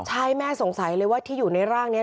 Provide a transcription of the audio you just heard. ใช่แม่สงสัยเลยว่าที่อยู่ในร่างนี้